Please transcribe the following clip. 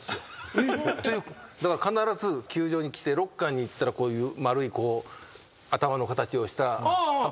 必ず球場に来てロッカーに行ったらこういう丸い頭の形をした。